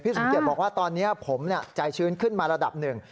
สมเกียจบอกว่าตอนนี้ผมใจชื้นขึ้นมาระดับหนึ่ง